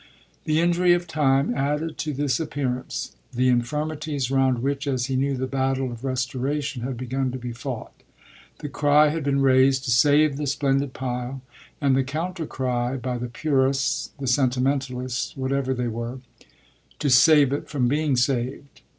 The injury of time added to this appearance the infirmities round which, as he knew, the battle of restoration had begun to be fought. The cry had been raised to save the splendid pile, and the counter cry by the purists, the sentimentalists, whatever they were, to save it from being saved.